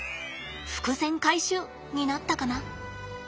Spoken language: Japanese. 「伏線回収！」になったかな？